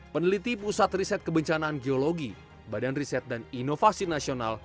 peneliti pusat riset kebencanaan geologi badan riset dan inovasi nasional